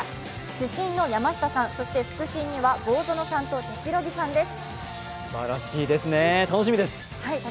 主審の山下さん、そして副審には坊薗さんと手代木さんです。